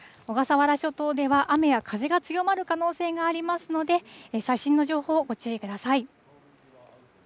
小笠原諸島では雨や風が強まる可能性がありますので、最新の情報をご注意ください。